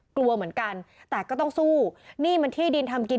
กลัวเหมือนกันแต่ก็ต้องสู้นี่มันที่ดินทำกิน